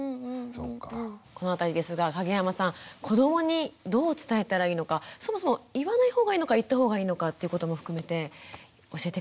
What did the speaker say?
この辺りですが蔭山さん子どもにどう伝えたらいいのかそもそも言わない方がいいのか言った方がいいのかっていうことも含めて教えて下さい。